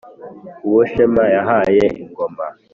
uwo shema yahaye ingoma